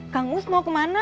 kangus mau kemana